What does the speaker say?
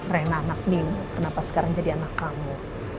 rena anak ming kenapa sekarang jadi anak kamu